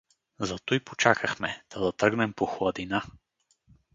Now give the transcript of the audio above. Затуй почакахме, та да тръгнем по хладина.